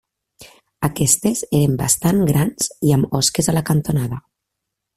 Aquestes eren bastant grans i amb osques a la cantonada.